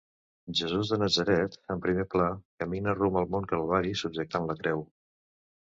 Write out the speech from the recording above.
Jesús de Natzaret, en primer pla, camina rumb al Mont Calvari subjectant la creu.